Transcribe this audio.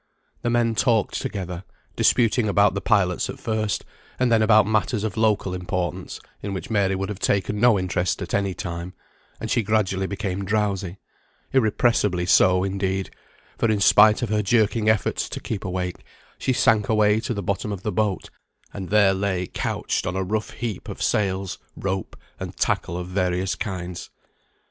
The men talked together, disputing about the pilots at first, and then about matters of local importance, in which Mary would have taken no interest at any time, and she gradually became drowsy; irrepressibly so, indeed, for in spite of her jerking efforts to keep awake she sank away to the bottom of the boat, and there lay couched on a rough heap of sails, rope, and tackle of various kinds.